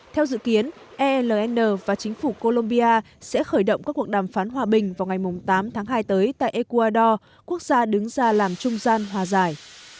theo dự kiến alnn và chính phủ colombia sẽ khởi động các cuộc đàm phán hòa bình vào ngày tám tháng hai tới tại ecuador quốc gia đứng ra làm trung gian hòa giải